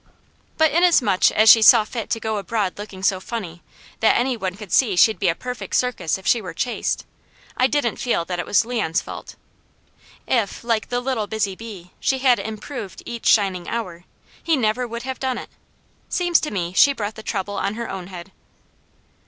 But inasmuch as she saw fit to go abroad looking so funny, that any one could see she'd be a perfect circus if she were chased, I didn't feel that it was Leon's fault. If, like the little busy bee, she had "improved each shining hour," he never would have done it. Seems to me, she brought the trouble on her own head.